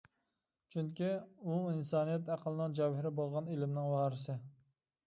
چۈنكى، ئۇ ئىنسانىيەت ئەقلىنىڭ جەۋھىرى بولغان ئىلىمنىڭ ۋارىسى.